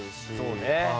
そうね。